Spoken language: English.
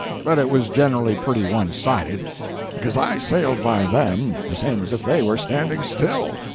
But it was generally pretty one sided, because I sailed by them the same as if they were standing still.